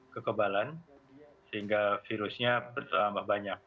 kekebalan sehingga virusnya bertambah banyak